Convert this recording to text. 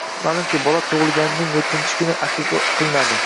Ma’lumki, bola tug‘ilganining yettinchi kuni aqiqa qilinadi.